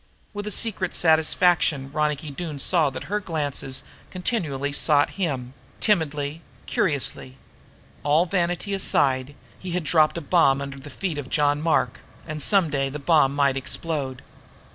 With a secret satisfaction Ronicky Doone saw that her glances continually sought him, timidly, curiously. All vanity aside, he had dropped a bomb under the feet of John Mark, and some day the bomb might explode.